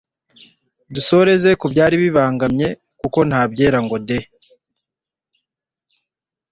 dusozereze ku byari bibubangamiye kuko ngo nta byera ngo de